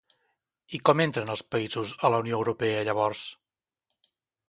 I com entren els països a la Unió Europea llavors?